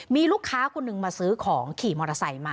มีลูกค้าคนหนึ่งมาซื้อของขี่มอเตอร์ไซค์มา